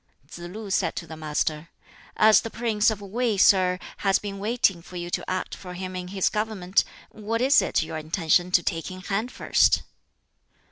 Tsz lu said to the Master, "As the prince of Wei, sir, has been waiting for you to act for him in his government, what is it your intention to take in hand first?"